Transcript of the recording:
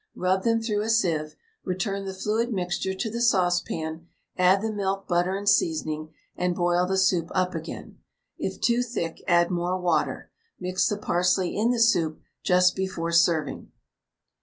Rub them through a sieve, return the fluid mixture to the saucepan; add the milk, butter, and seasoning, and boil the soup up again; if too thick, add more water. Mix the parsley in the soup just before serving.